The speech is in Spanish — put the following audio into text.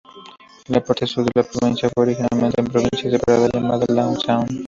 La parte sur de la provincia fue originalmente una provincia separada llamada Lang Suan.